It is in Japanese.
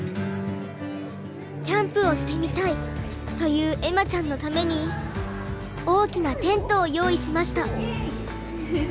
「キャンプをしてみたい」という恵麻ちゃんのために大きなテントを用意しました。